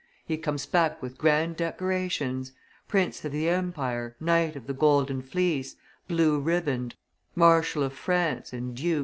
He comes back with grand decorations: prince of the empire, knight of the Golden Fleece, blue riband, marshal of France, and duke.